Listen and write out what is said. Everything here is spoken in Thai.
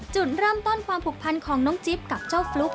จุดเริ่มต้นความผูกพันของน้องจิ๊บกับเจ้าฟลุ๊ก